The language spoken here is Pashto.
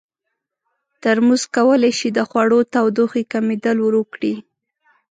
ترموز کولی شي د خوړو تودوخې کمېدل ورو کړي.